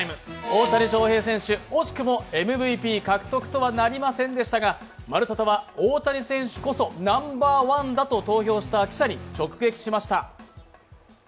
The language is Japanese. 大谷翔平選手、惜しくもＭＶＰ獲得とはなりませんでしたが「まるサタ」は大谷選手こそナンバーワンだと投票した記者に直撃しました。